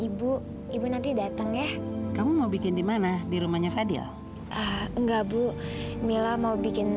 ibu ibu nanti datang ya kamu mau bikin dimana di rumahnya fadil enggak bu mila mau bikin